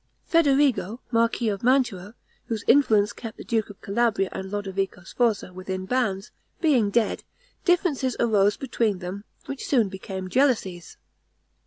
Federigo, marquis of Mantua, whose influence kept the duke of Calabria and Lodovico Sforza within bounds, being dead, differences arose between them which soon became jealousies.